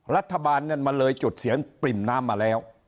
รัฐบาลนั้นมันเลยจุดเสียงปริ่มน้ำมาแล้ว